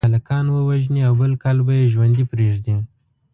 یو کال دې هلکان ووژني او بل کال به یې ژوندي پریږدي.